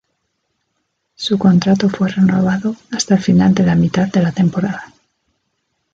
Su contrato fue renovado hasta el final de la mitad de la temporada.